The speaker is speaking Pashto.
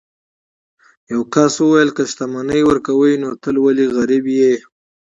یو کس وویل که شتمني ورکوي نو ته ولې غریب یې.